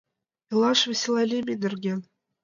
Илаш веселай лийме нерген.